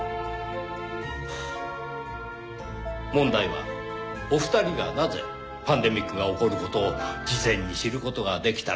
問題はお二人がなぜパンデミックが起こる事を事前に知る事ができたのか。